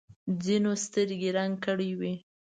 ځینو سترګې رنګ کړې وي.